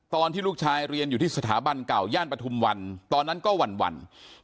ตอนที่ลูกชายเรียนอยู่ที่สถาบันเก่าย่านปฐุมวันตอนนั้นก็หวั่น